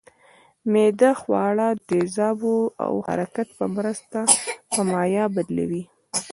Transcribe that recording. معده خواړه د تیزابو او حرکت په مرسته په مایع بدلوي